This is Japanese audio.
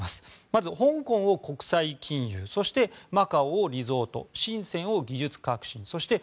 まず香港を国際金融そしてマカオをリゾートシンセンを技術革新そして